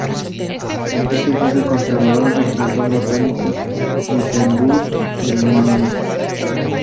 Es jefe conservador del Jardín Botánico Nymphenburg de Múnich.